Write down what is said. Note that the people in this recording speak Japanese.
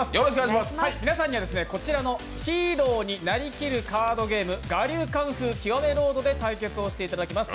皆さんにはこちらのヒーローになりきるカードゲーム、「我流功夫極めロード」で対決をしていただきます。